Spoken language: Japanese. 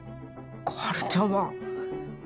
心春ちゃんは